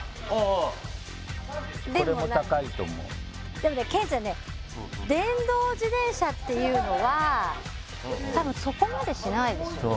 でもね憲ちゃんね電動自転車っていうのは多分そこまでしないですよねそう？